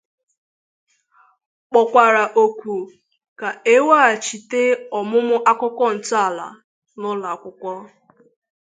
kpọkwàrà òkù ka e weghàchite ọmụmụ akụkọ ntọala n'ụlọakwụkwọ